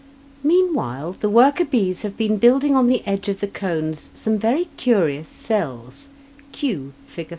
Meanwhile the worker bees have been building on the edge of the cones some very curious cells (q, Fig.